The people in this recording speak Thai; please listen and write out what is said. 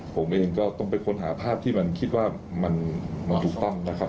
ผมเองก็ต้องไปค้นหาภาพที่มันคิดว่ามันถูกต้องนะครับ